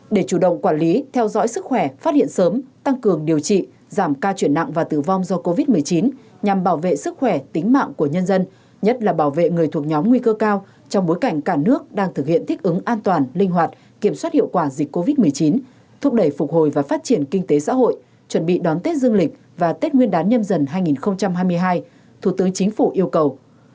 để chủ động quản lý theo dõi sức khỏe phát hiện sớm tăng cường điều trị giảm ca chuyển nặng và tử vong do covid một mươi chín nhằm bảo vệ sức khỏe tính mạng của nhân dân nhất là bảo vệ người thuộc nhóm nguy cơ cao trong bối cảnh cả nước đang thực hiện thích ứng an toàn linh hoạt kiểm soát hiệu quả dịch covid một mươi chín thúc đẩy phục hồi và phát triển kinh tế xã hội chuẩn bị đón tết dương lịch và tết nguyên đán nhâm dần hai nghìn hai mươi hai thủ tướng chính phủ yêu cầu